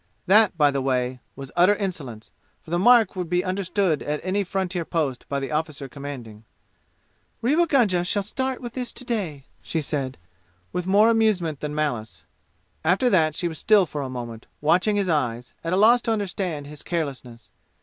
That, by the way, was utter insolence, for the mark would be understood at any frontier post by the officer commanding. "Rewa Gunga shall start with this to day!" she said, with more amusement than malice. After that she was still for a moment, watching his eyes, at a loss to understand his carelessness.